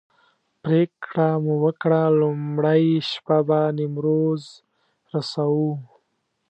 پرېکړه مو وکړه لومړۍ شپه به نیمروز رسوو.